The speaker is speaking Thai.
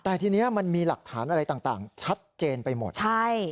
แต่ทีนี้มันมีหลักฐานอะไรต่างชัดเจนไปหมดใช่